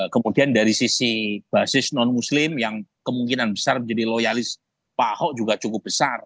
kemudian dari sisi basis non muslim yang kemungkinan besar menjadi loyalis pak ahok juga cukup besar